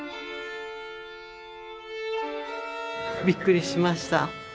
びっくりしました。